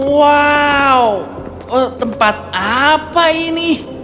wow tempat apa ini